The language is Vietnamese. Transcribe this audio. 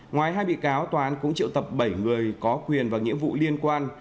ngoài hai bị cáo tòa án cũng triệu tập bảy người có quyền và nghĩa vụ liên quan